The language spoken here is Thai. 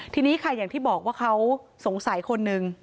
ทีนี้ค่ะอย่างที่บอกว่าเขาสงสัยคนหนึ่ง